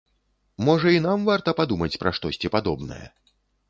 Можа, і нам варта падумаць пра штосьці падобнае?